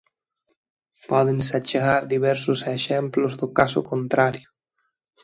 Pódense achegar diversos exemplos do caso contrario.